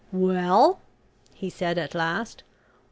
"Well?" he said at last.